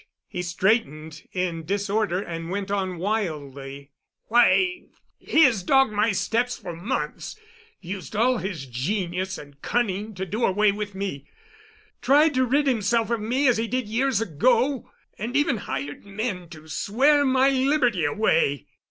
He straightened in disorder and went on wildly: "Why, he has dogged my steps for months—used all his genius and cunning to do away with me—tried to rid himself of me as he did years ago—and even hired men to swear my liberty away."